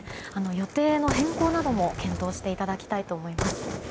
予定の変更なども検討していただきたいと思います。